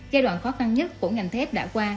giai đoạn khó khăn nhất của ngành thép đã qua